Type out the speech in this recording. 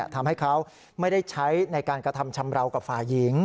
ทำให้เขาไม่ได้ใช้ในการกระทำชำราวกับฝ่ายหญิง